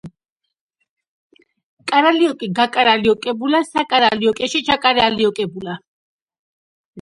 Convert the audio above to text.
კარალიოკი გაკარალიოკებულა, საკარალიოკეში ჩაკარალიოკებულა